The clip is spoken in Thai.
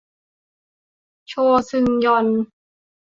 โชซึงยอน